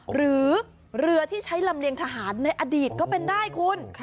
หรือเรือที่ใช้ลำเลียงทหารในอดีตก็เป็นได้คุณ